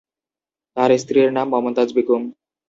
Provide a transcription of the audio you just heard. তার স্ত্রীর নাম মমতাজ বেগম।